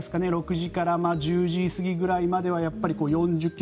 ６時から１０時過ぎくらいまではやっぱり４０ｋｍから４５ｋｍ。